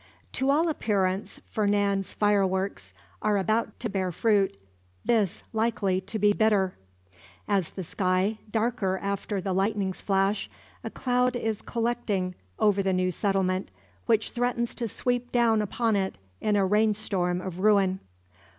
To all appearance Fernand's fireworks are about to bear fruit, this likely to be bitter. As the sky, darker after the lightning's flash, a cloud is collecting over the new settlement, which threatens to sweep down upon it in a rain storm of ruin.